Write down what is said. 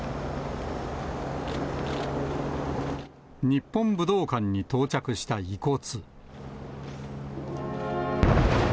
日本武道館に到着した遺骨。